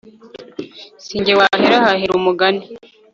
si jye wahera hahera umugani